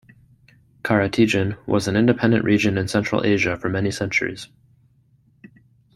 Karategin was an independent region in Central Asia for many centuries.